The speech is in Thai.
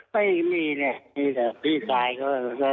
ไม่มีเนี่ยมีแต่พี่ชายเขา